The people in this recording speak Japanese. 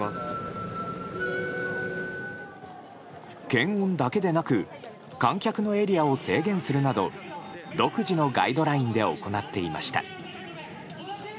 検温だけでなく観客のエリアを制限するなど独自のガイドラインで行っていました。